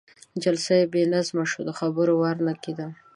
جلسه بې نظمه شوه، د خبرو وار نه کېده.